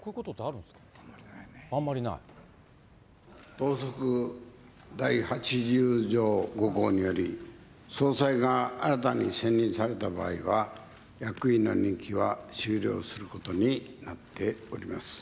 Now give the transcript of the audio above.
党則第８０条５項により、総裁が新たに選任された場合は、役員の任期は終了することになっております。